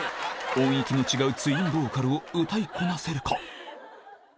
音域の違うツインボーカルを歌いこなせるか？